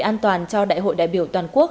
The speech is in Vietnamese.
an toàn cho đại hội đại biểu toàn quốc